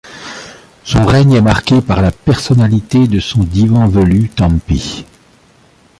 Son règne est marqué par la personnalité de son dîvân Velu Thampi.